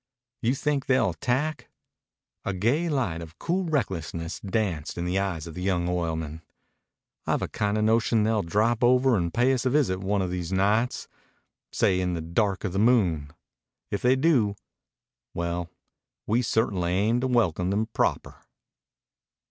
"You think they'll attack." A gay light of cool recklessness danced in the eyes of the young oilman. "I've a kinda notion they'll drap over and pay us a visit one o' these nights, say in the dark of the moon. If they do well, we certainly aim to welcome them proper."